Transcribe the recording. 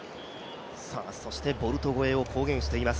そしてボルト超えを公言しています